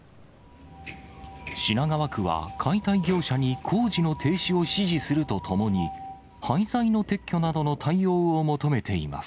品川区は解体業者に工事の停止を指示するとともに、廃材の撤去などの対応を求めています。